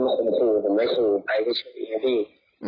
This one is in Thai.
ผมขาดสติปันน้องหนูอย่างงี้ไม่มีสติพี่